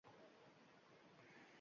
Nodir tolmovsiradi, duduqlandi yana.